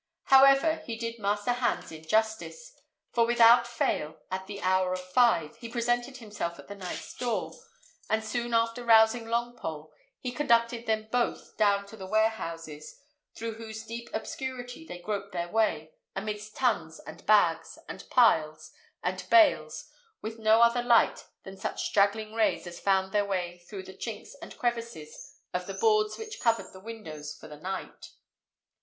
However, he did Master Hans injustice; for without fail, at the hour of five, he presented himself at the knight's door; and soon after rousing Longpole, he conducted them both down to the warehouses, through whose deep obscurity they groped their way, amidst tuns, and bags, and piles, and bales, with no other light than such straggling rays as found their way through the chinks and crevices of the boards which covered the windows for the night.